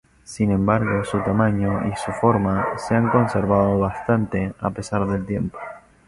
Sin embargo, su tamaño y forma se han conservado bastante a pesar del tiempo.